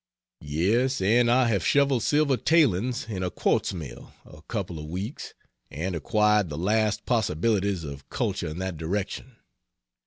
Yes, and I have shoveled silver tailings in a quartz mill a couple of weeks, and acquired the last possibilities of culture in that direction.